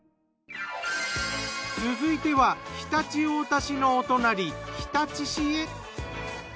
続いては常陸太田市のお隣日立市へ。